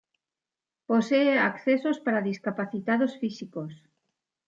Posee accesos para discapacitados físicos.